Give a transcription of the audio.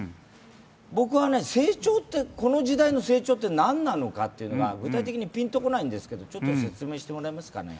僕はね、この時代の成長って何なのかが具体的にピンと来ないんですが説明してもらえますか。